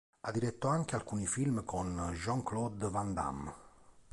Ha diretto anche alcuni film con Jean-Claude Van Damme.